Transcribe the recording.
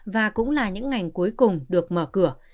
và những ngành cuối cùng được mở cửa